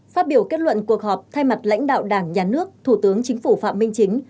phát biểu kết luận cuộc họp thay mặt lãnh đạo đảng nhà nước thủ tướng chính phủ phạm minh chính